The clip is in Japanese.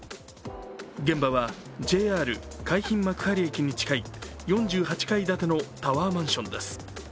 現場はＪＲ海浜幕張駅に近い４８階建てのタワーマンションです。